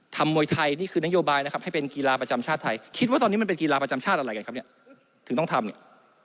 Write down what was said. มวยไทยนี่คือนโยบายนะครับให้เป็นกีฬาประจำชาติไทยคิดว่าตอนนี้มันเป็นกีฬาประจำชาติอะไรกันครับเนี่ยถึงต้องทำเนี่ย